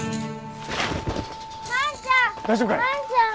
万ちゃん！